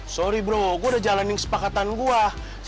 sorry bro gue udah jalanin kesepakatan gue